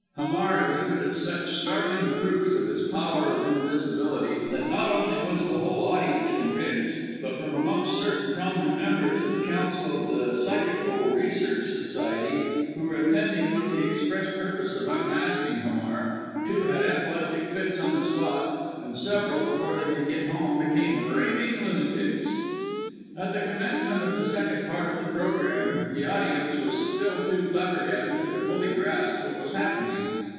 Hamar exhibited such startling proofs of his power of invisibility, that not only was the whole audience convinced, but from amongst certain prominent members of the Council of the Psychical Research Society, who were attending with the express purpose of unmasking Hamar, two had epileptic fits on the spot, and several, before they could get home, became raving lunatics. At the commencement of the second part of the programme the audience was still too flabbergasted to fully grasp what was happening.